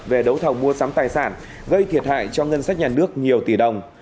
về đấu thầu mua sắm tài sản gây thiệt hại cho ngân sách nhà nước nhiều tỷ đồng